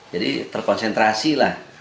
jadi terkonsentrasi lah